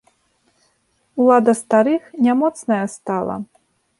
Улада старых не моцная стала.